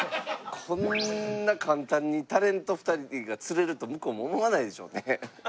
こんな簡単にタレント２人が釣れると向こうも思わないでしょうね。